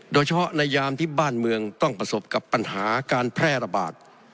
โดยเฉพาะในยามที่บ้านเมืองต้องประสบกับปัญหาการแพร่ระบาด